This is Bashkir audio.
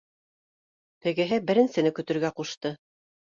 Тегеһе беренсене көтөргә ҡушты